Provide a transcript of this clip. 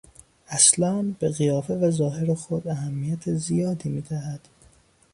اصلان به قیافه و ظاهر خود اهمیت زیادی میدهد.